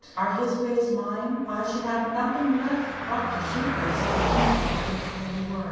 Are his ways mine? I should have nothing left but to shoot myself to morrow if they were!"